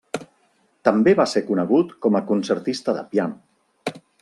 També va ser conegut com a concertista de piano.